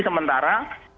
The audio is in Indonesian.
seberapa tanda lagi disini